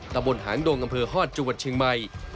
ตำบลหางดงอำเภอฮอตจังหวัดเชียงใหม่